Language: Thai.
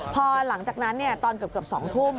พอหลังจากนั้นตอนเกือบ๒ทุ่ม